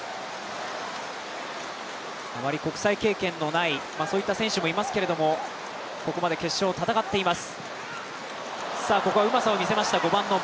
あまり国際経験のない選手もいますけれどもここまで決勝を戦っています。